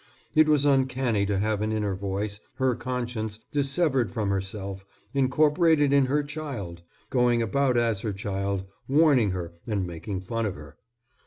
It was uncanny to have an inner voice, her conscience, dissevered from herself, incorporated in her child, going about as her child, warning her and making fun of her.